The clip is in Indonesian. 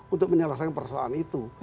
untuk menyelesaikan persoalan itu